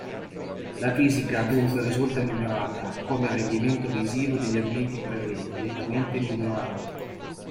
La fisica dunque risulta migliorata, come il rendimento visivo degli ambienti presenti, nettamente migliorati.